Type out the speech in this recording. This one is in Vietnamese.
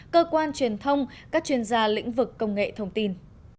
cơ quan truyền thông các chuyên gia lĩnh vực công nghệ thông tin